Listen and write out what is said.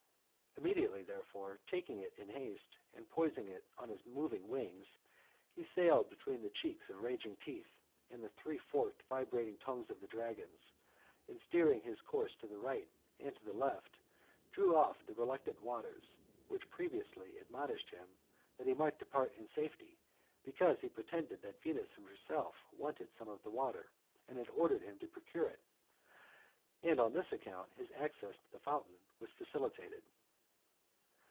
Immediately, therefore, taking it in haste, and poising it on his moving wings, he sailed between the cheeks of raging teeth, and the three forked vibrating tongues of the dragons, and steering his course to the right and left, drew oflf the reluctant waters, which previously admon ished him that he might depart in safety, because he pretended that Venus herself wanted some of the water, and had ordered him to procure it. And on this account his access to the fountain was facilitated.